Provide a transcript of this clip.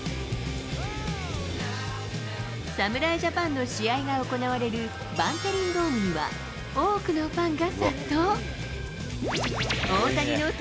侍ジャパンの試合が行われるバンテリンドームには、多くのファンが殺到。